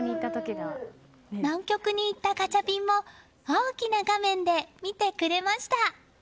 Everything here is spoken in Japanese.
南極に行ったガチャピンも大きな画面で見てくれました。